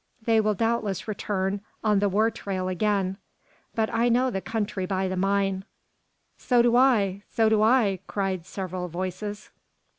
They will doubtless return on the war trail again; but I know the country by the mine." "So do I! So do I!" cried several voices.